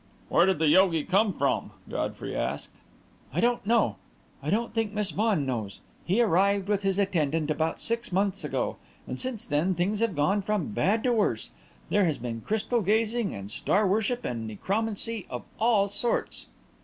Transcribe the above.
"Where did the yogi come from?" Godfrey asked. "I don't know. I don't think Miss Vaughan knows. He arrived, with his attendant, about six months ago; and since then things have gone from bad to worse. There has been crystal gazing and star worship and necromancy of all sorts.